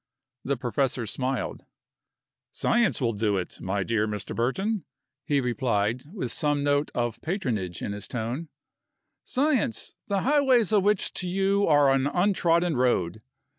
The professor smiled. "Science will do it, my dear Mr. Burton," he replied, with some note of patronage in his tone, "science, the highways of which to you are an untrodden road.